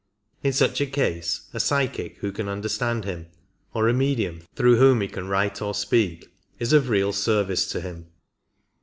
In such a case a psychic who can understand him, or a medium through whom he can write or speak, is of real service to him.